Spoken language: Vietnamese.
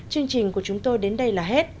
chương trình của chúng tôi đến đây là hết